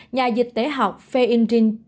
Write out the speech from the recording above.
nhà dịch tế học feindring cho biết